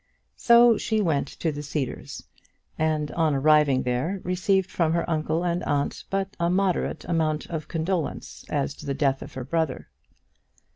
So she went to the Cedars, and, on arriving there, received from her uncle and aunt but a moderate amount of condolence as to the death of her brother.